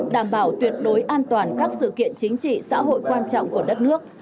đảm bảo tuyệt đối an toàn các sự kiện chính trị xã hội quan trọng của đất nước